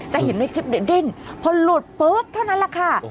เห็นในคลิปเนี่ยดิ้นพอหลุดปุ๊บเท่านั้นแหละค่ะ